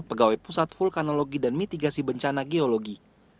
pegawai pusat vulkanologi dan mitigasi bencana geologi